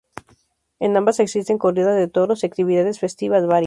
En ambas existen corridas de toros y actividades festivas varias.